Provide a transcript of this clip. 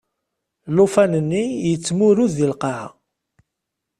Llufan-nni yettmurud deg lqaɛa.